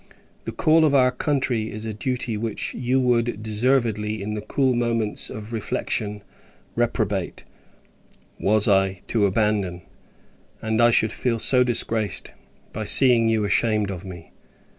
The call of our country, is a duty which you would, deservedly, in the cool moments of reflection, reprobate, was I to abandon: and I should feel so disgraced, by seeing you ashamed of me!